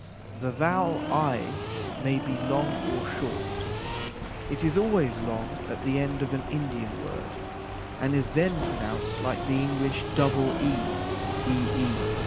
The vowel i may be long or short. It is always long at the end of an Indian word, and is then pronounced like the English double e ee